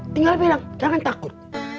tinggal bilang jangan takut